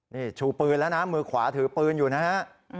นี่ชูปืนแล้วนะมือขวาถือปืนอยู่นะฮะ